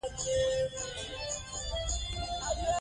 بل سړی راځي. دوی اور بلوي.